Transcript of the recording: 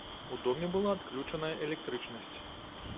У доме была адключаная электрычнасць.